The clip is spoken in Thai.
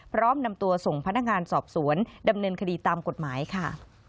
พร้อมนำตัวส่งพนักงานสอบสวนดำเนินคดีตามกฎหมายค่ะ